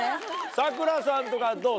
さくらさんとかどう？